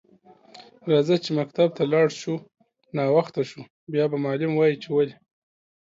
راځه چی مکتب ته لاړ شو ناوخته شو بیا به معلم وایی چی ولی